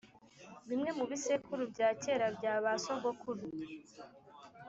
Bimwe mu bisekuru bya kera byaba sogokuru